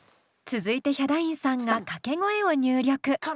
続いてヒャダインさんが掛け声を入力。